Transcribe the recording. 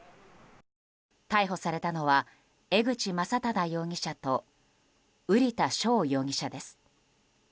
逮捕されたのは江口将匡容疑者と瓜田翔容疑者です。